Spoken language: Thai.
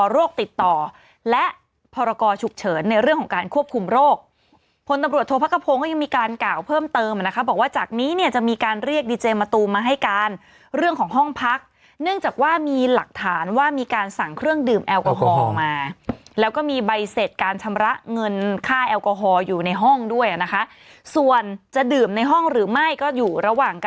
ติดต่อและพรกรฉุกเฉินในเรื่องของการควบคุมโรคพลตำรวจโทษพระกระพงศ์ก็ยังมีการกล่าวเพิ่มเติมนะคะบอกว่าจากนี้เนี่ยจะมีการเรียกดีเจมะตูมมาให้การเรื่องของห้องพักเนื่องจากว่ามีหลักฐานว่ามีการสั่งเครื่องดื่มแอลกอฮอล์มาแล้วก็มีใบเสร็จการชำระเงินค่าแอลกอฮอลอยู่ในห้องด้วยนะคะส่วนจะดื่มในห้องหรือไม่ก็อยู่ระหว่างก